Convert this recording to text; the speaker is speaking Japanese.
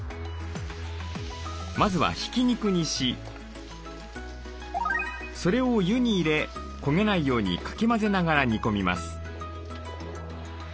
まずはひき肉にしそれを湯に入れ焦げないようにかき混ぜながら煮込みます。